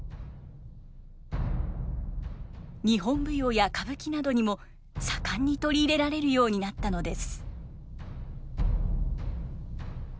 日本舞踊や歌舞伎などにも盛んに取り入れられるようになったのです。